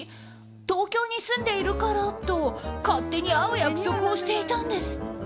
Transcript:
東京に住んでいるからと勝手に会う約束をしていたんです。